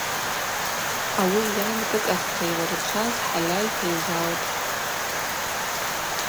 Ауи йан кӏыкӏахта йлырчваз хӏальальта йзалтӏ!